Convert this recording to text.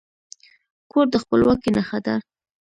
کور د خپلواکي نښه ده.